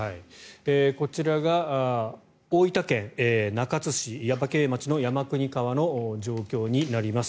こちらが大分県中津市耶馬渓町の山国川の状況になります。